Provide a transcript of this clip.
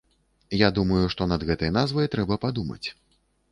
Я думаю, што над гэтай назвай трэба падумаць.